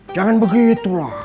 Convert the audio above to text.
jangan begitu lah